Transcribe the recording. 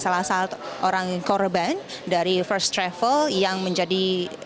salah satu orang korban dari first travel yang menjadi